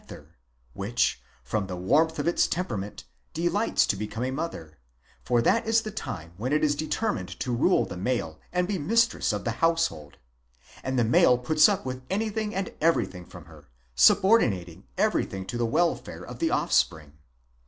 Y which, from the warmth of its temperament, delights to become a mother, for that is the time when it is determined to rule the male and be mistress of the household ; and the male puts up with anything and everything from her, subordinating everything to the welfare of the offspring.